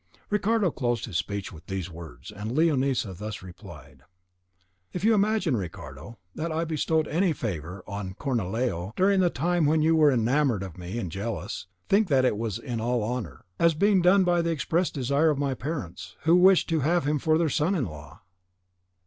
Ricardo closed his speech with these words, and Leonisa thus replied, "If you imagine, Ricardo, that I bestowed any favour on Cornelio during the time when you were enamoured of me and jealous, think that it was in all honour, as being done by the express desire of my parents, who wished to have him for their son in law.